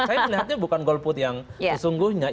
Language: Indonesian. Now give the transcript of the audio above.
saya melihatnya bukan golput yang sesungguhnya